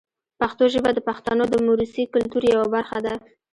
پښتو ژبه د پښتنو د موروثي کلتور یوه برخه ده.